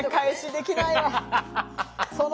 できない？